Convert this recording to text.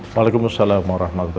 waalaikumsalam warahmatullahi wabarakatuh